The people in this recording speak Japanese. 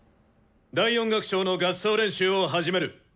第４楽章の合奏練習を始める。